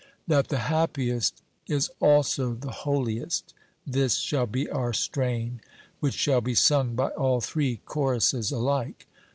That the happiest is also the holiest, this shall be our strain, which shall be sung by all three choruses alike.